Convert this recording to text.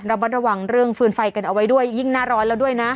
บัดระวังเรื่องฟืนไฟกันเอาไว้ด้วยยิ่งหน้าร้อนแล้วด้วยนะ